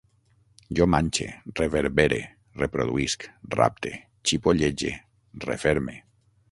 Jo manxe, reverbere, reproduïsc, rapte, xipollege, referme